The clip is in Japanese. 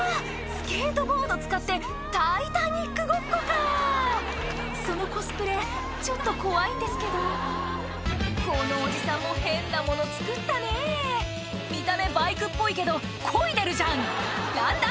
スケートボード使ってタイタニックごっこかそのコスプレちょっと怖いんですけどこのおじさんも変なもの作ったねぇ見た目バイクっぽいけどこいでるじゃん何だ？